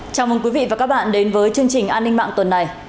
chào mừng quý vị và các bạn đến với chương trình an ninh mạng tuần này